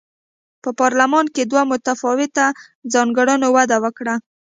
په پارلمان کې دوه متفاوتو ځانګړنو وده وکړه.